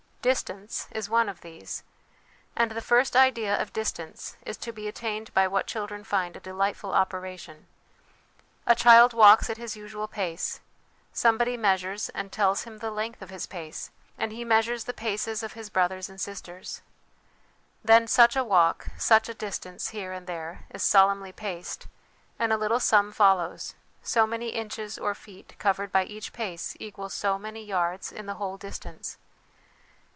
Distance is one of these, and the first idea of distance is to be attained by what children find a delightful operation. A child walks at his usual pace ; somebody measures and tells him the length of his pace, and he measures the paces of his brothers and sisters. Then such a walk, such a distance, here and there, is solemnly paced, and a little sum follows so many inches or feet covered by each pace equals so many yards in the whole distance.